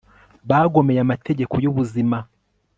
bagomeye amategeko yubuzima